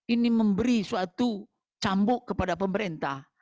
ini memberi suatu cambuk kepada pemerintah